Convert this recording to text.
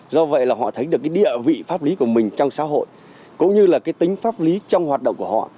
do vậy là họ thấy được cái địa vị pháp lý của mình trong xã hội cũng như là cái tính pháp lý trong hoạt động của họ